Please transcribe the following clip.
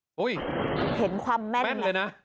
เห็นความแม่นแม่นเลยนะ